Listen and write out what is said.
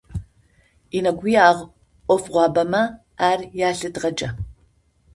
Енэгуягъо ӏофыгъуабэмэ ар ялъытыгъэкӏэ.